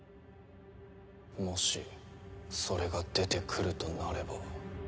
もしそれが出てくるとなれば。